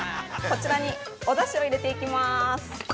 こちらにおだしを入れていきます。